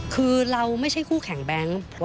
คือเราไม่ใช่คู่แข่งแบงค์